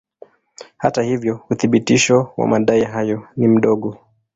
Hata hivyo uthibitisho wa madai hayo ni mdogo.